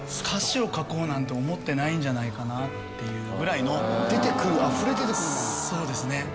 歌詞を書こうなんて思ってないんじゃないかなっていうぐらいの出てくるあふれ出てくるものそうですね